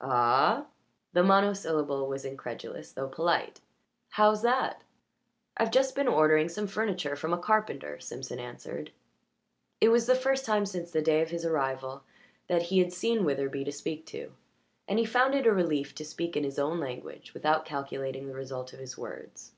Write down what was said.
"Ah?" The monosyllable was incredulous though polite. "How's that?" "I've just been ordering some furniture from a carpenter," Simpson answered. It was the first time since the day of his arrival that he had seen Witherbee to speak to, and he found it a relief to speak in his own language and without calculating the result of his words.